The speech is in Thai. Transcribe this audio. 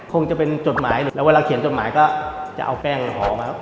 คงจะเป็นจดหมายแล้วเวลาเขียนจดหมายก็จะเอาแป้งหอมครับ